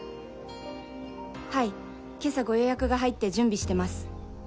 「はい今朝ご予約が入って準備してます」